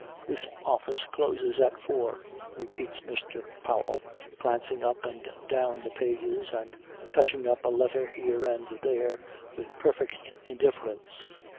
"This office closes at four," repeats Mr. Powell glancing up and down the pages and touching up a letter here and there with perfect indifference.